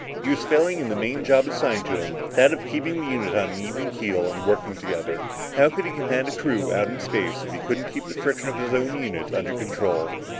He was failing in the main job assigned to him, that of keeping the unit on an even keel and working together. How could he command a crew out in space if he couldn't keep the friction of his own unit under control?